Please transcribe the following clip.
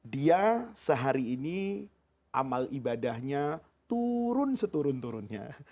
dia sehari ini amal ibadahnya turun seturun turunnya